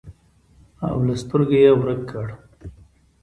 او له سترګو یې ورک کړ.